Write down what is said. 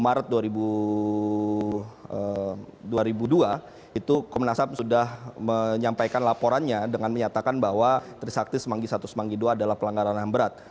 nah fakta fakta tambahan yang pertama di dua puluh maret dua ribu dua itu komnas ham sudah menyampaikan laporannya dengan menyatakan bahwa trisakti semanggi i dan semanggi ii adalah pelanggaran ham berat